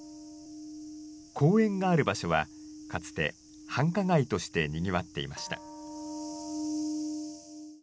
公園がある場所はかつて繁華街としてにぎわっていました。